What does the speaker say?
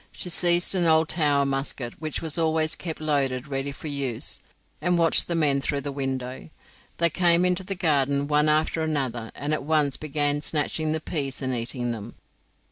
She seized an old Tower musket, which was always kept loaded ready for use, and watched the men through the window. They came into the garden one after another, and at once began snatching the peas and eating them.